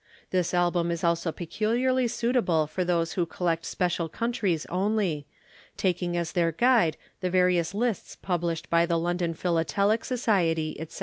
This Album is also peculiarly suitable for those who collect special countries only, taking as their guide the various lists published by the London Philatelic Society, etc.